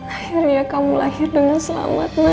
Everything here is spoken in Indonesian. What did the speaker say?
akhirnya kamu lahir dengan selamat